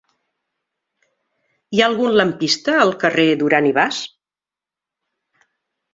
Hi ha algun lampista al carrer de Duran i Bas?